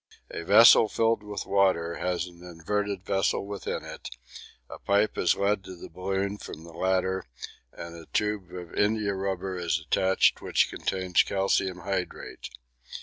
A vessel filled with water has an inverted vessel within it; a pipe is led to the balloon from the latter and a tube of india rubber is attached which contains calcium hydrate.